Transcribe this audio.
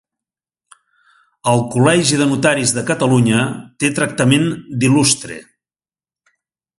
El Col·legi de Notaris de Catalunya té tractament d'il·lustre.